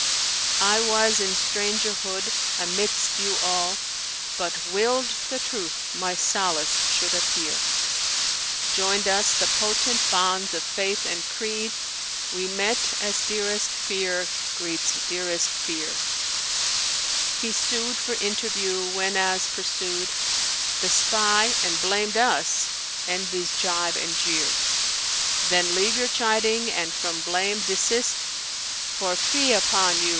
I was in strangerhood amidst you all: * But willed the Truth[FN#491] my solace should appear. Joined us the potent bonds of Faith and Creed; * We met as dearest fere greets dearest fere: He sued for interview whenas pursued * The spy, and blamed us envy's jibe and jeer: Then leave your chiding and from blame desist, * For fie upon you!